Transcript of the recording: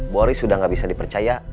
boris sudah gak bisa dipercaya